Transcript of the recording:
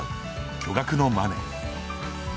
巨額のマネー。